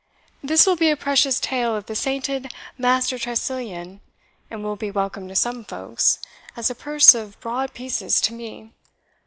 This will be a precious tale of the sainted Master Tressilian, and will be welcome to some folks, as a purse of broad pieces to me.